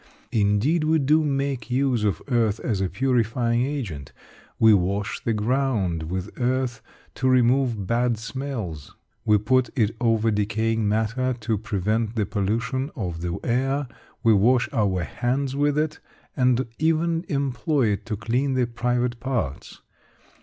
Indeed, we do make use of earth as a purifying agent. We wash the ground with earth to remove bad smells, we put it over decaying matter to prevent the pollution of the air, we wash our hands with it, and even employ it to clean the private parts.